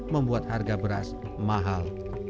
membuat harga beras mahal